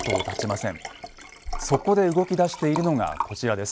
そこで動き出しているのがこちらです。